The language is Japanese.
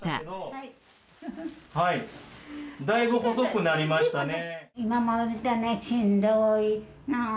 だいぶ細くなりましたね。